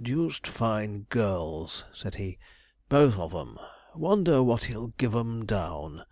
'Deuced fine girls,' said he, 'both of 'em: wonder what he'll give 'em down?'